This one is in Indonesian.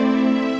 dan itu adalah